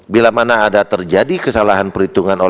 bila mana ada terjadi kesalahan perhitungan